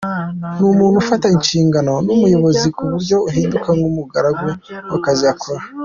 Ni umuntu ufata inshingano n’ubuyobozi ku buryo ahinduka nk’umugaragu w’akazi akora.